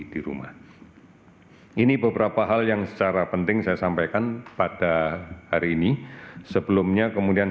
di rumah ini beberapa hal yang secara penting saya sampaikan pada hari ini sebelumnya kemudian